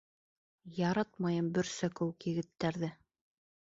Яратмайым бөрсә кеүек егеттәрҙе.